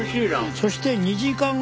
そして２時間後。